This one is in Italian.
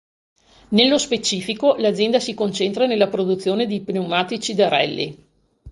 Nello specifico l'azienda si concentra nella produzione di pneumatici da rally.